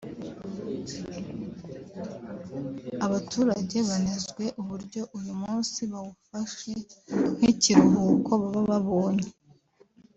Abaturage banezwe uburyo uyu munsi bawufashe nk’ikiruhuko baba babonye